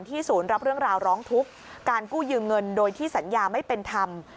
ศูนย์รับเรื่องราวร้องทุกข์การกู้ยืมเงินโดยที่สัญญาไม่เป็นธรรม